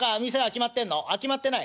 あっ決まってない。